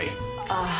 ああ。